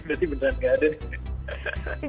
berarti beneran gak ada nih